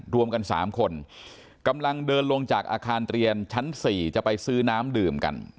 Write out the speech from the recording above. รวมกัน๓คนกำลังเดินลงจากอาคารเรียนชั้น๔จะไปซื้อน้ำดื่มกัน